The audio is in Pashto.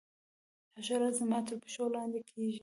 حشرات زما تر پښو لاندي کیږي.